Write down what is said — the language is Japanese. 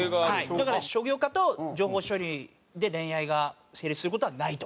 はいだから商業科と情報処理で恋愛が成立する事はないとか。